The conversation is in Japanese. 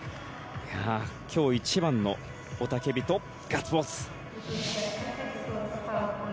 今日一番の雄たけびとガッツポーズ。